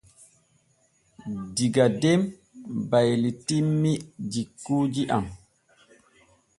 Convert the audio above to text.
Diga den baylitinmi jikuuji am.